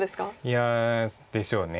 いやでしょうね。